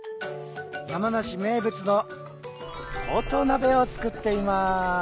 山梨名物のほうとう鍋を作っています。